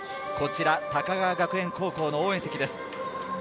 こちら高川学園高校の応援席です。